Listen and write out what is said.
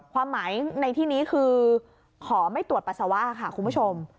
ความหมายในที่นี้คือขอไม่ตรวจปัสสาวะค่ะคุณผู้ชม